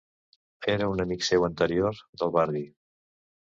Era un amic seu anterior, del barri.